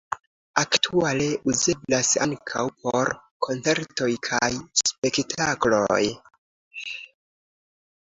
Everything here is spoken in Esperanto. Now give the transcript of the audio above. Aktuale uzeblas ankaŭ por koncertoj kaj spektakloj.